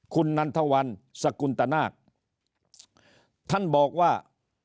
คุณนันทวันสกุลตนาคท่านบอกว่า